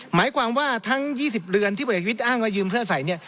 หมายความว่าทั้ง๒๐เหลือนที่ผลเอกประวิทธิ์อ้างและยืมเสื้อใส่